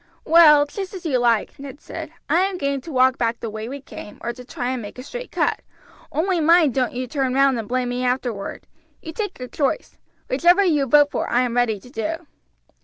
"Well, just as you like," Ned said, "I am game to walk back the way we came or to try and make a straight cut, only mind don't you turn round and blame me afterward. You take your choice; whichever you vote for I am ready to do."